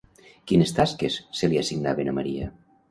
Quines tasques se li assignaven a Maria?